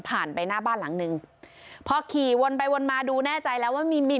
ไปหน้าบ้านหลังนึงพอขี่วนไปวนมาดูแน่ใจแล้วว่ามีมี